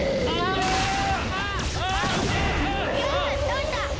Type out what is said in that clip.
どうした！？